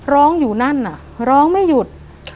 ร้องอยู่นั่นน่ะร้องไม่หยุด